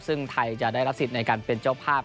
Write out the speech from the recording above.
ซึ่งไทยจะได้รับสิทธิ์ในการเป็นเจ้าภาพ